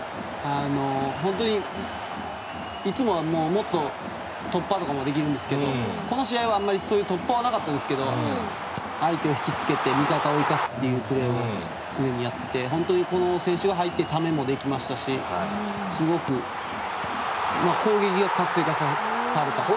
本当にいつもはもっと突破とかもできるんですけどこの試合はあまりそういう突破はなかったんですが相手を引きつけて味方を生かすというプレーを常にやっていて本当にこの選手が入ってためもできましたしすごく攻撃が活性化されたと。